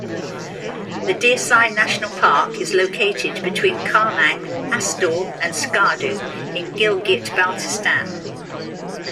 The Deosai National Park is located between kharmang, Astore and Skardu in Gilgit Baltistan.